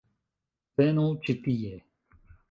- Venu ĉi tie